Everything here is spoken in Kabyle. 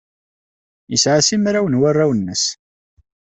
Yesɛa simraw n warraw-nnes.